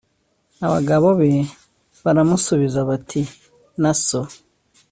abagabo be baramusubiza bati 'na so